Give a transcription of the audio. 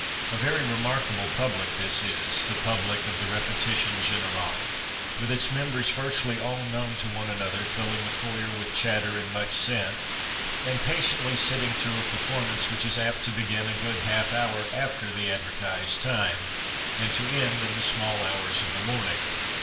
A very remarkable i)ublic this is, the public of the repetition generale, with its members virtually all known to one another, filling the foyer with chatter and much scent, and j)atiently sitting through a performance which is apt to begin a good half hour after the advertised time, and to end in the small hours of the morning.